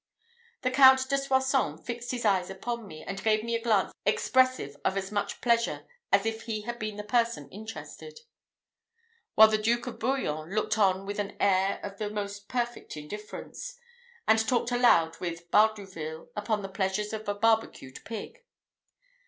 The Count de Soissons fixed his eyes upon me, and gave me a glance expressive of as much pleasure as if he had been the person interested; while the Duke of Bouillon looked on with an air of the most perfect indifference, and talked aloud with Bardouville upon the pleasures of a barbecued pig.